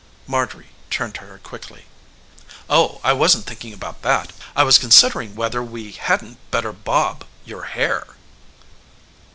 Marjorie turned to her quickly. "Oh, I wasn't thinking about that. I was considering whether we hadn't better bob your hair."